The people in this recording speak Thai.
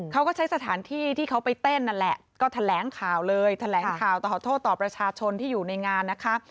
เขาก็ใช้สถานที่ที่เขาไปเต้นนั่นแหละก็แถลงข่าวเลยแถลงข่าวต่อขอโทษต่อประชาชนที่อยู่ในงานนะคะ